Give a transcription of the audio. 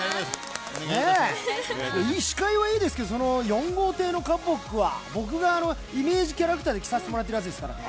司会はいいですけど、その４号艇のカポックは僕がイメージキャラクターで着させてもらっているやつですからね。